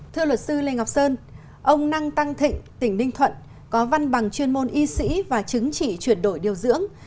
thưa luật sư lê ngọc sơn ông năng tăng thịnh tỉnh ninh thuận có văn bằng chuyên môn y sĩ và chứng chỉ chuyển đổi điều dưỡng